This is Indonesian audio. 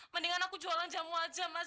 mendingan aku jualan jamu aja mas